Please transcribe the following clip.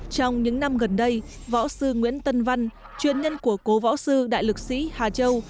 trong những năm gần đây võ sư nguyễn tân văn chuyên nhân của cố võ sư đại lực sĩ hà châu